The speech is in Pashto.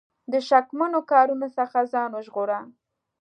د شکمنو کارونو څخه ځان وژغوره.